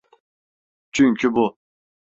Çünkü bu…